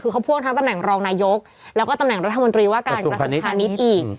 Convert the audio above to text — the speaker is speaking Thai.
คือเขาพ่วงทั้งตำแหน่งรองนายกแล้วก็ตำแหน่งรัฐมนตรีว่าการกระทรวงพาณิชย์อีก